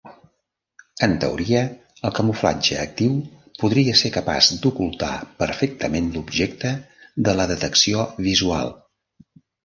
En teoria, el camuflatge actiu podria ser capaç d'ocultar perfectament l'objecte de la detecció visual.